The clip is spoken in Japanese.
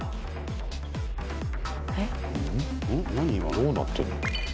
どうなってるの？